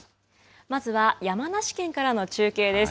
まずは、山梨県からの中継です。